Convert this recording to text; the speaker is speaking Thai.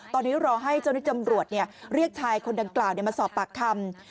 ตอนนี้รอให้เจ้าหน้าที่ตำรวจเรียกชายคนดังกล่าวมาสอบปากคำ